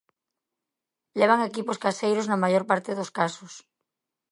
Levan equipos caseiros na maior parte dos casos.